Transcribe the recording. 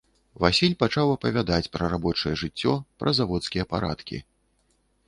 Васіль пачаў апавядаць пра рабочае жыццё, пра заводскія парадкі.